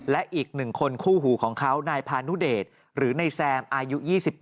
และอีก๑คนคู่หูของเขานายพานุเดชหรือนายแซมอายุ๒๘